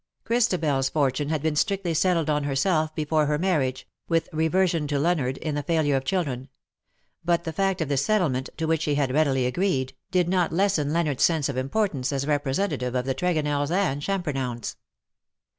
ChristabeFs fortune had been strictly settled on herself before her marriage, with reversion to Leonard in the failure of children ; but the fact of this settlement, to which he had readily agreed, did not lessen Leonardos sense of importance as representative of the Tregonells and Chainpernownes.